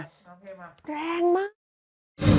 แรงมาก